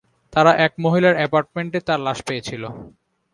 তারা এক মহিলার এপার্টমেন্টে তার লাশ পেয়েছিলো।